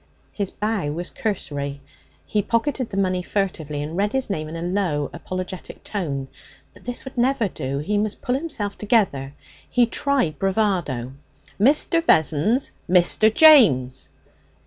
His bow was cursory. He pocketed the money furtively and read his name in a low, apologetic tone. But this would never do! He must pull himself together. He tried bravado. 'Mr. Vessons. Mr. James.'